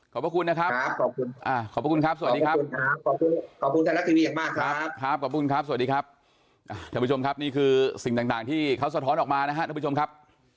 ขอบคุณนะครับขอบคุณครับสวัสดีครับ